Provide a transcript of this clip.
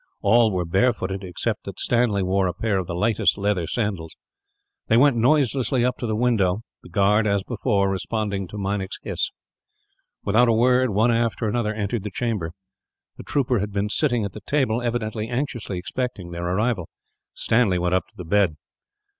All were barefooted, except that Stanley wore a pair of the lightest leather sandals. They went noiselessly up to the window; the guard, as before, responding to Meinik's hiss. Without a word, one after another entered the chamber. The trooper had been sitting at the table, evidently anxiously expecting their arrival. Stanley went up to the bed.